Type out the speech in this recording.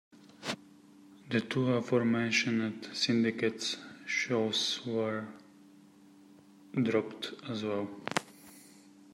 The two aforementioned syndicated shows were dropped as well.